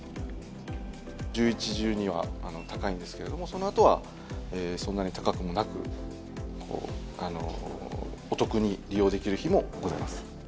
１１、１２は高いんですけれども、そのあとはそんなに高くもなく、お得に利用できる日もございます。